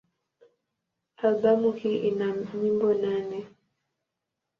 Albamu hii ina nyimbo nane.